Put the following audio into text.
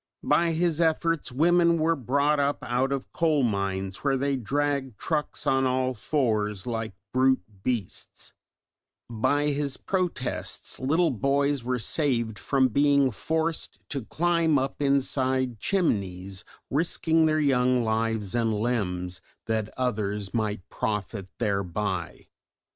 By his efforts women were brought up out of coal mines where they dragged trucks on all fours like brute beasts, by his protests little boys were saved from being forced to climb up inside chimneys risking their young lives and limbs that others might profit thereby.